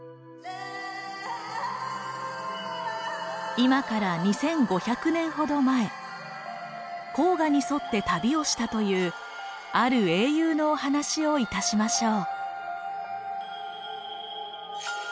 今から２，５００年ほど前黄河に沿って旅をしたというある英雄のお話をいたしましょう。